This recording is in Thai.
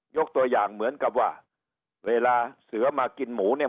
ยกตัวอย่างเหมือนกับว่าเวลาเสือมากินหมูเนี่ย